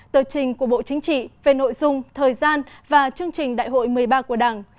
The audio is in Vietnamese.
tờ trình của bộ chính trị về nội dung thời gian và chương trình đại hội một mươi ba của đảng